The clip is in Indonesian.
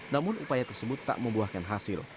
namun upaya tersebut tak membuahkan hasil